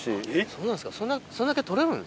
そうなんですか。